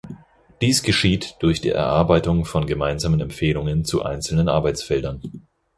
Dies geschieht durch die Erarbeitung von gemeinsamen Empfehlungen zu einzelnen Arbeitsfeldern.